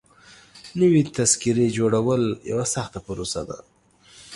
نوي تذکيري جوړول يوه سخته پروسه ده.